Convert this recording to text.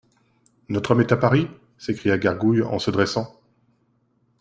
Notre homme est à Paris ? s'écria Gargouille, en se dressant.